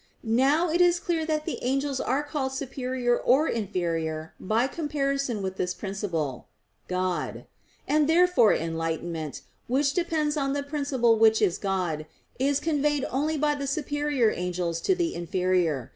Now it is clear that the angels are called superior or inferior by comparison with this principle, God; and therefore enlightenment, which depends on the principle which is God, is conveyed only by the superior angels to the inferior.